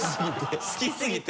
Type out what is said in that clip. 好きすぎて。